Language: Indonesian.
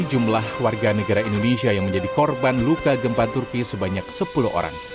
jumlah warga negara indonesia yang menjadi korban luka gempa turki sebanyak sepuluh orang